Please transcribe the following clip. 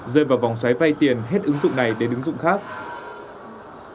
rơi vào vòng xoáy vay tiền hết ứng dụng này đến ứng dụng khác